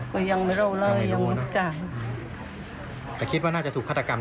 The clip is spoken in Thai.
ก็ยังไม่รู้เลยโอเคชั้นเป็นเจ้าเดา